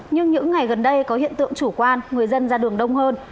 nhưng những ngày gần đây có hiện tượng chủ quan người dân ra đường đông hơn